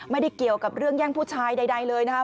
ไม่ได้เกี่ยวกับเรื่องแย่งผู้ชายใดเลยนะครับ